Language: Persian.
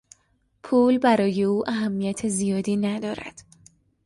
پول برای او اهمیت زیادی ندارد.